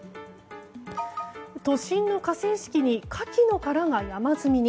都心の河川敷にカキの殻が山積みに。